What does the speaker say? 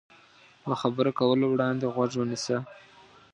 له خبرو کولو وړاندې غوږ ونیسه.